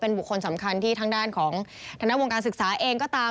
บุคคลสำคัญที่ทางด้านของธนวงการศึกษาเองก็ตาม